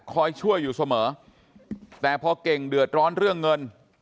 คอยช่วยอยู่เสมอแต่พอเก่งเดือดร้อนเรื่องเงิน